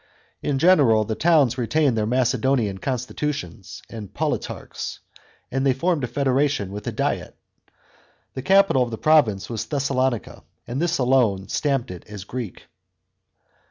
In general, tha towns retained their Macedonian constitutions and politarchs; and they formed a federation with a diet (Koiv6v). The capital of the province was Thessalonica, and this alone stamped it as Greek.